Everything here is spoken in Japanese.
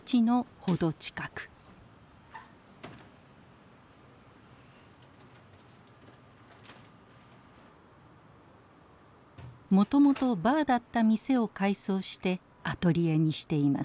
もともとバーだった店を改装してアトリエにしています。